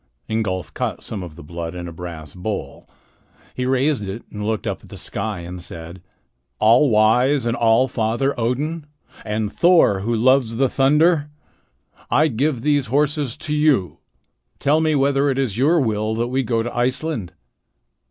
Ingolf caught some of the blood in a brass bowl. He raised it and looked up at the sky and said: "All wise and all father Odin, and Thor who loves the thunder, I give these horses to you. Tell me whether it is your will that we go to Iceland."